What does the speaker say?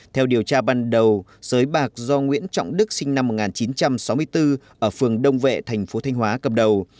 theo điều tra ban đầu xới bạc do nguyễn trọng đức sinh năm một nghìn chín trăm sáu mươi bốn ở phường đông vệ tp thanh hóa cầm đầu